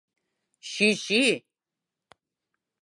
Чӱчӱ!